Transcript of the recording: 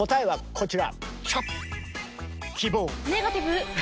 こちら。